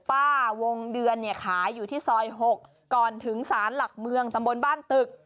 ป้าวงเดือนเนี่ยขายอยู่ที่ซอย๖ก่อนถึงสารหลักเมืองตำบลบ้านตึก